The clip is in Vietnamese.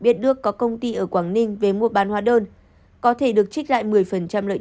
biết đức có công ty ở quảng ninh về mua bán hóa đơn có thể được trích lại một mươi lợi